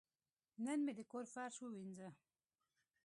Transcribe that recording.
نن مې د کور فرش ووینځه.